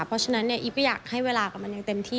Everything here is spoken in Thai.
เพราะฉะนั้นเนี่ยอีฟก็อยากให้เวลากับมันอย่างเต็มที่